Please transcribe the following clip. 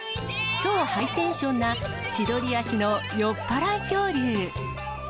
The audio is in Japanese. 超ハイテンションな、千鳥足の酔っ払い恐竜。